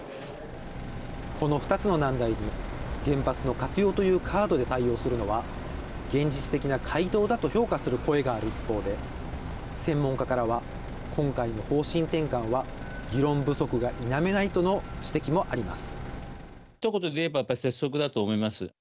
この２つの難題に原発の活用というカードで対応するのは現実的な解答だと評価する声がある一方で、専門家からは今回の方針転換は議論不足が否めないとの指摘もあります。